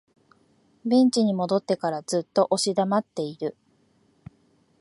ベンチに戻ってからずっと押し黙っている